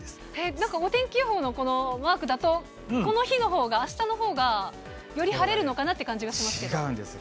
なんかお天気予報のこのマークだと、この日のほうがあしたのほうが、より晴れるのかなって感じがしますけど。